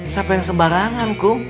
siapa yang sembarangan kum